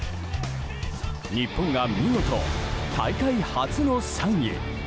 日本が見事、大会初の３位。